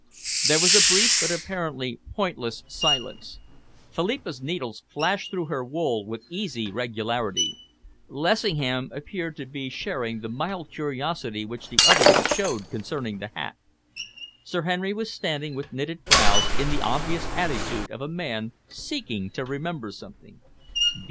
There was a brief but apparently pointless silence. Philippa's needles flashed through her wool with easy regularity. Lessingham appeared to be sharing the mild curiosity which the others showed concerning the hat. Sir Henry was standing with knitted brows, in the obvious attitude of a man seeking to remember something.